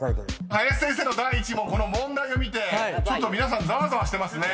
［林先生の第１問この問題を見て皆さんざわざわしてますね］